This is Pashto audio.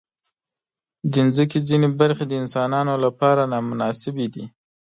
د مځکې ځینې برخې د انسانانو لپاره نامناسبې دي.